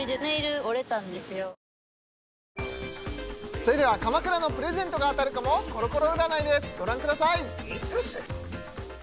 それでは鎌倉のプレゼントが当たるかもコロコロ占いですご覧ください